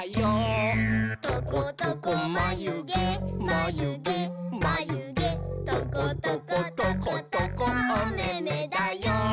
「トコトコまゆげまゆげまゆげトコトコトコトコおめめだよ！」